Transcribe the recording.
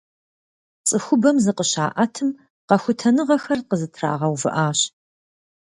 Цӏыхубэм зыкъыщаӀэтым, къэхутэныгъэхэр къызэтрагъэувыӀащ.